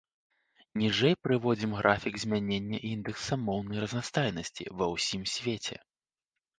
Ніжэй прыводзім графік змянення індэкса моўнай разнастайнасці ва ўсім свеце.